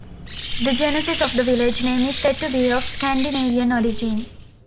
The genesis of the village name is said to be of Scandinavian origin.